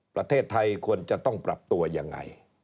ประเทศไทยควรจะต้องปรับตัวยังไง